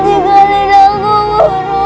dengan aku bu